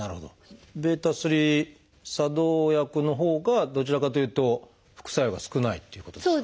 β作動薬のほうがどちらかというと副作用が少ないっていうことですか？